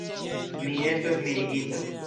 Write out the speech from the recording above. Mi estas mirigita.